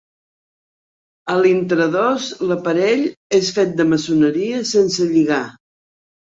A l'intradós l'aparell és fet de maçoneria sense lligar.